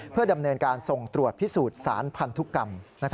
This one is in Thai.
เพื่อดำเนินการส่งตรวจพิสูจน์สารพันธุกรรม